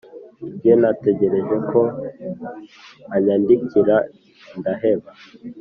njye nategereje ko anyandikira ndaheba